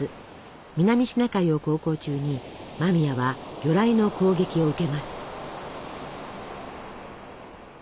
南シナ海を航行中に間宮は魚雷の攻撃を受けます。